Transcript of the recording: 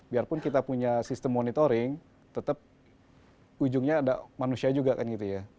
biarpun kita punya sistem monitoring tetap ujungnya ada manusia juga kan gitu ya